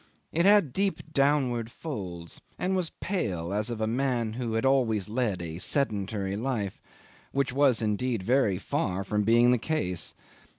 It had deep downward folds, and was pale as of a man who had always led a sedentary life which was indeed very far from being the case.